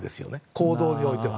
行動においては。